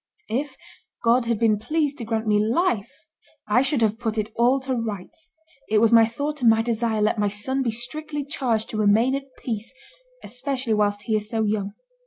If God had been pleased to grant me life, I should have put it all to rights; it was my thought and my desire, let my son be strictly charged to remain at peace, especially whilst he is so young.